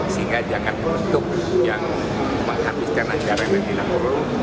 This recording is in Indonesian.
sehingga jangan bentuk yang bahkan misalnya anggaran yang tidak perlu